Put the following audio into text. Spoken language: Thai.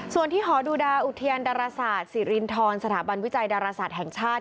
ส่วนที่หอดูดาอุทยานดาราศาสตร์ศิรินทรสถาบันวิจัยดาราศาสตร์แห่งชาติ